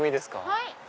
はい。